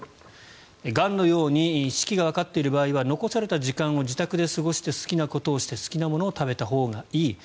がんのように死期がわかっている場合は残された時間を自宅で過ごして好きなことをして好きなものを食べたほうがいい。